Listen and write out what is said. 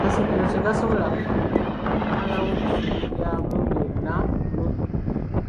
Amasomero tegasobola kumalawo bizibu byago byonna omulundi gumu.